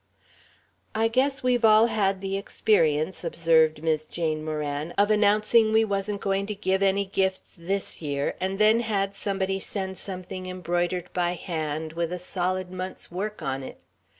"I guess we've all had the experience," observed Mis' Jane Moran, "of announcing we wasn't going to give any gifts this year, and then had somebody send something embroidered by hand, with a solid month's work on it.